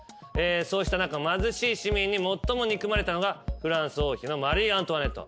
そうした中貧しい市民に最も憎まれたのがフランス王妃のマリー・アントワネット。